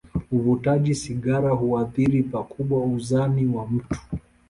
Uvutaji sigara huathiri pakubwa uzani wa mtu.